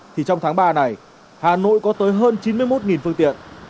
thì trong tháng ba này hà nội có tới hơn chín mươi một phương tiện